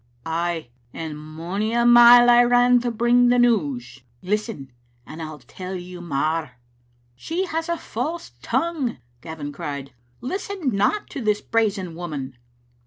"Ay, and mony a mile I ran to bring the news. Listen, and I'll tell you mair." "She has a false tongue," Gavin cried; "listen not to the brazen woman."